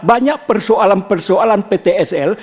banyak persoalan persoalan ptsl